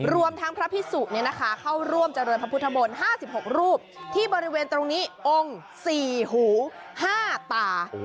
รวมทั้งพระพิศุนินะคะเข้าร่วมเจริญพระพุทธบนห้าสิบหกรูปที่บริเวณตรงนี้องค์สี่หูห้าตา